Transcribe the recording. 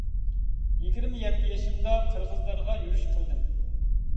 يىگىرمە يەتتە يېشىمدا قىرغىزلارغا يۈرۈش قىلدىم.